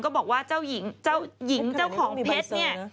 บอกว่าเจ้าหญิงเจ้าของเพชรเนี่ย